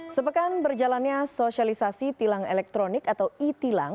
sepekan berjalannya sosialisasi tilang elektronik atau e tilang